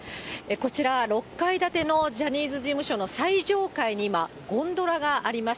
こちら、６階建てのジャニーズ事務所の最上階に今、ゴンドラがあります。